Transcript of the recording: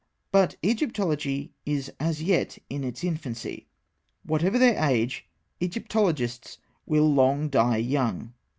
But Egyptology is as yet in its infancy; whatever their age, Egyptologists will long die young.